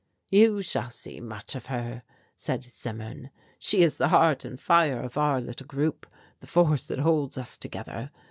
"You shall see much of her," said Zimmern, "she is the heart and fire of our little group, the force that holds us together.